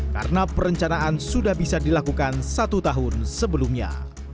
karena perencanaan sudah bisa dilakukan satu tahun sebelumnya